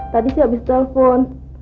tadi sih abis telpon